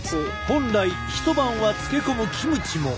本来１晩は漬け込むキムチも。